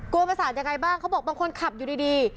กวนประศาจอย่างไรบ้างเขาบอกบางคนขับอยู่ดี